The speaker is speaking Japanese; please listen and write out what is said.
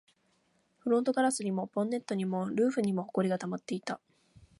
フロントガラスにも、ボンネットにも、ルーフにも埃が溜まっていた